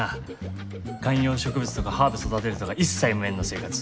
観葉植物とかハーブ育てるとか一切無縁の生活。